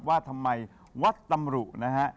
ว่าทำไมวัดตำรุนะฮะ